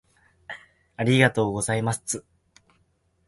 ありがとうございますつ